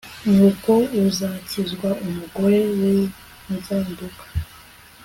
nuko uzakizwa umugore winzaduka